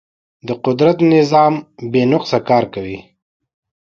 د قدرت نظام بې نقصه کار کوي.